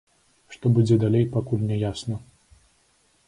Што будзе далей, пакуль не ясна.